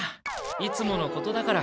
いつものことだから。